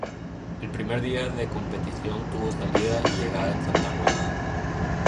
El primer día de competición tuvo salida y llegada en Santa Rosa.